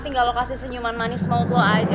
tinggal lo kasih senyuman manis maut lo aja